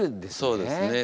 そうですね。